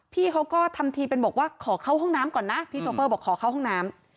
พี่เขาก็ทำทีเป็นบอกว่าขอเข้าห้องน้ำก่อนนะพี่โชเฟอร์บอกขอเข้าห้องน้ำ